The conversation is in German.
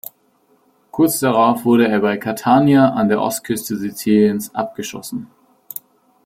Kurz darauf wurde er bei Catania, an der Ostküste Siziliens, abgeschossen.